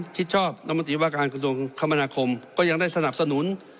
ชิดชอบท่านมนติว่าการกระทรวงคำลาคมก็ยังได้สนับสนุน